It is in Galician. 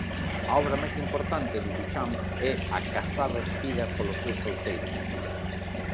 A obra máis importante de Duchamp é "A casada espida polos seus solteiros".